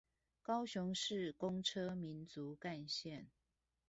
高雄市公車民族幹線